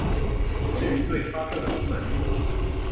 至於對發票的部分